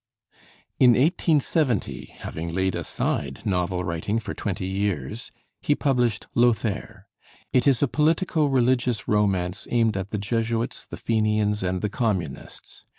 In 1870, having laid aside novel writing for twenty years, he published 'Lothair.' It is a politico religious romance aimed at the Jesuits, the Fenians, and the Communists.